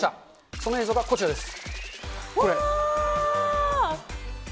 その映像がこちらです。